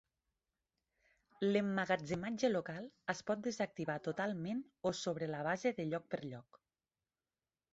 L'emmagatzematge local es pot desactivar totalment o sobre la base de lloc per lloc.